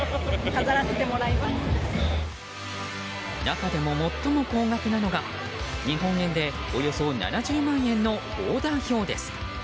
中でも最も高額なのが日本円でおよそ７０万円のオーダー表です。